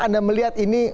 anda melihat ini